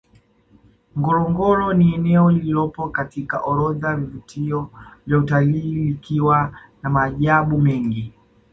Ngorongoro ni eneo lililo katika orodha ya vivutio vya utalii likiwa na maajabu mengi